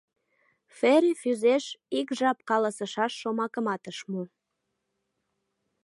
Фери Фӱзеш ик жап каласышаш шомакымат ыш му.